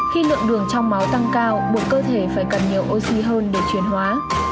khi lượng đường trong máu tăng cao một cơ thể phải cần nhiều oxy hơn để chuyển hóa